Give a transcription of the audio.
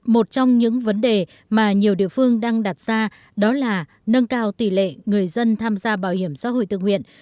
một trong những vấn đề mà nhiều địa phương đang đặt ra đó là nâng cao tỷ lệ người dân tham gia bảo hiểm xã hội tự nguyện